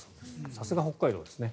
さすが北海道ですね。